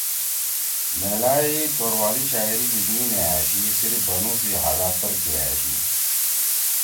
میلائی توروالی شاعری لیِگ می نے أشی صرف بنُو سی حدا پرکے أشی۔